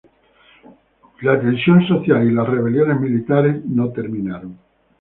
La tensión social y las rebeliones militares no terminaron.